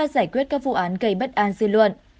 gây bất an dư luận